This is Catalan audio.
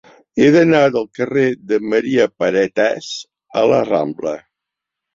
He d'anar del carrer de Maria Paretas al la Rambla.